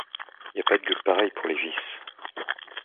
Y a pas de gueux pareil pour les vices !